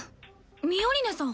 ミオリネさん。